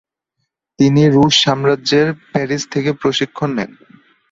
তিনি রুশ সাম্রাজ্যের প্যারিস থেকে প্রশিক্ষণ নেন।